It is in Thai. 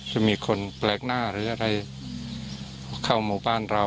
จะมีคนแปลกหน้าหรืออะไรเข้าหมู่บ้านเรา